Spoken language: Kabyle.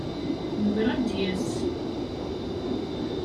Nwiɣ ad d-yas.